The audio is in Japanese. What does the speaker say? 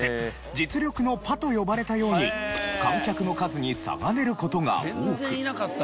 実力のパと呼ばれたように観客の数に差が出る事が多く。